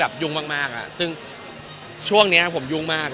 แค่แบบลกลก